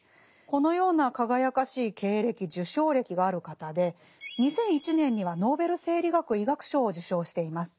このような輝かしい経歴・受賞歴がある方で２００１年にはノーベル生理学・医学賞を受賞しています。